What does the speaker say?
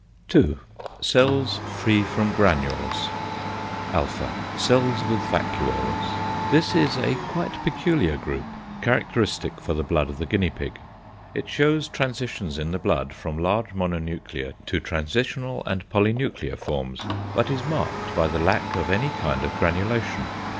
II. Cells free from granules. ([alpha]) Cells with vacuoles. This is a quite peculiar group, characteristic for the blood of the guinea pig. It shews transitions in the blood, from large mononuclear to transitional and polynuclear forms, but is marked by the lack of any kind of granulation.